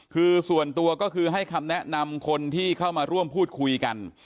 คือส่วนตัวก็คือให้คำแนะนำคนที่เข้ามาร่วมพูดคุยกัน